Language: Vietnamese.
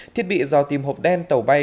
thiết bị do tìm hộp đen tàu bay